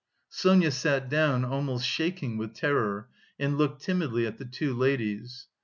Sonia sat down, almost shaking with terror, and looked timidly at the two ladies.